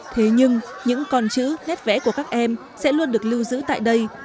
thế nhưng những con chữ hết vẽ của các em sẽ luôn được lưu giữ tại đây